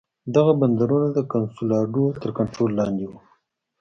دغه بندرونه د کنسولاډو تر کنټرول لاندې وو.